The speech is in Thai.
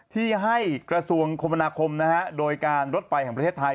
ที่ให้กระทรวงคมนาคมโดยการรถไฟแห่งประเทศไทย